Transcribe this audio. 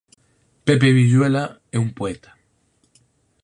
Pepe Viyuela é un poeta